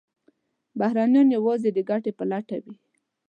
بهرنیان یوازې د ګټې په لټه وي.